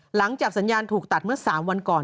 หลังจากสัญญาณถูกตัดเมื่อ๓วันก่อน